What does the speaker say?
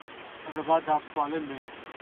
რვა დავთვალე მე.